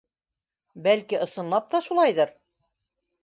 Бәлки, ысынлап та, шулайҙыр?